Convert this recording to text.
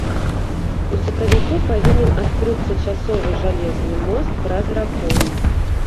У сакавіку павінен адкрыцца часовы жалезны мост праз раку.